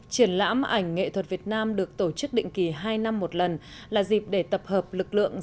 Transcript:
triển lãm ảnh nghệ thuật việt nam được tổ chức định kỳ hai năm một lần là dịp để tập hợp lực lượng